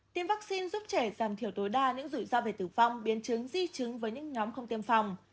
tiêm vaccine giúp trẻ giảm thiểu tối đa những rủi ro về tử vong biến chứng di chứng với những nhóm không tiêm phòng